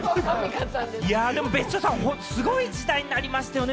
別所さん、すごい時代になりましたよね。